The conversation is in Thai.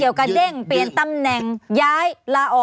ย้ายลาออกอะไรกันในกระทรวงรายงานหรอ